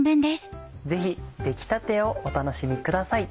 ぜひ出来たてをお楽しみください。